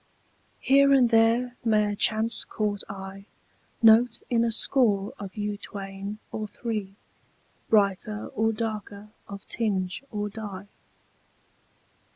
Here and there may a chance caught eye Note in a score of you twain or three Brighter or darker of tinge or dye.